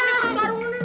gigi gue ntar patah